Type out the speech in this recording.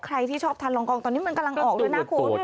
ใครที่ชอบทานรองกองตอนนี้มันกำลังออกด้วยนะคุณ